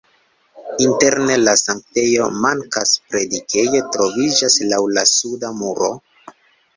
Interne la sanktejo mankas, predikejo troviĝas laŭ la suda muro.